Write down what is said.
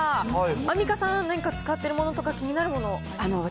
アンミカさんは何か使っているものとか、気になるものありますか？